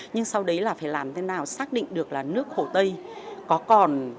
nhưng sau đấy là phải làm thế nào xác định được là nước hồ tây có còn